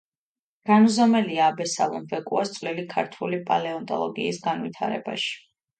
განუზომელია აბესალომ ვეკუას წვლილი ქართული პალეონტოლოგიის განვითარებაში.